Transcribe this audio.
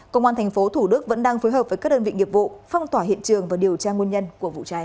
công an tp thủ đức vẫn đang phối hợp với các đơn vị nghiệp vụ phong tỏa hiện trường và điều tra nguồn nhân của vụ cháy